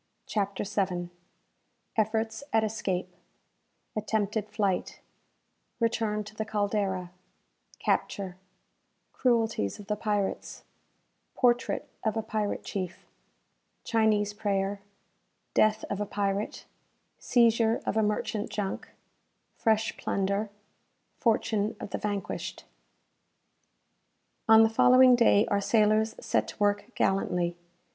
CHAPTER VII. Efforts at Escape Attempted Flight Return to the "Caldera" Capture Cruelties of the Pirates Portrait of a Pirate Chief Chinese Prayer Death of a Pirate Seizure of a Merchant Junk Fresh Plunder Fortune of the Vanquished. On the following day our sailors set to work gallantly.